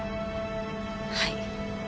はい。